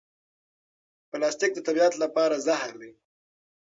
پلاستیک د طبیعت لپاره زهر دی.